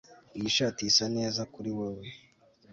Iyi shati isa neza kuri wewe